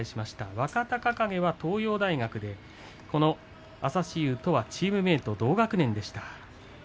若隆景は東洋大学で朝志雄とは同学年、チームメートでした。